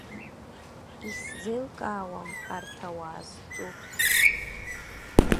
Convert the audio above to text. Исзеилкаауам арҭ ауаа зҿу!